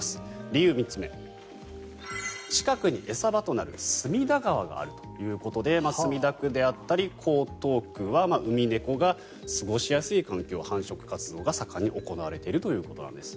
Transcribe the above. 理由３つ目、近くに餌場となる隅田川があるということで墨田区であったり江東区はウミネコが過ごしやすい環境で繁殖活動が盛んに行われているということなんです。